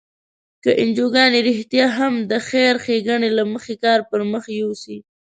که انجوګانې رښتیا هم د خیر ښیګڼې له مخې کار پر مخ یوسي.